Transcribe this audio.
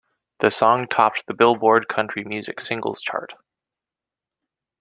The song topped the "Billboard" country music singles chart.